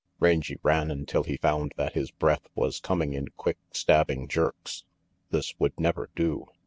Rangy ran until he found that his breath was coming in quick, stabbing jerks. This would never do.